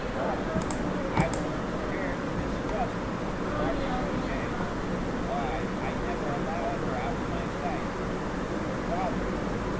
Oh! I was prepared to mistrust Martin Roget. Why! I never allowed her out of my sight!... But her father!...